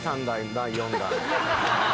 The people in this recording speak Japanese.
第４弾。